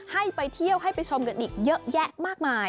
ให้ไปเที่ยวให้ไปชมกันอีกเยอะแยะมากมาย